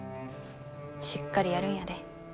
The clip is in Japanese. しっかりやるんやで。